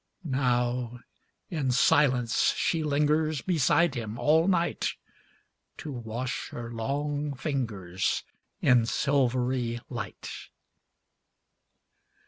Now in silence she lingers Beside him all night To wash her long fingers In silvery light.